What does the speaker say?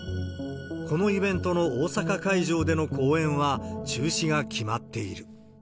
このイベントの大阪会場での公演は中止が決まっている。